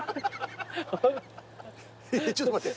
ちょっと待って。